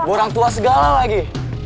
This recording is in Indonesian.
orang tua segala lagi